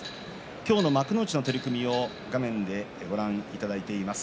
今日の幕内の取組を画面でご覧いただいています。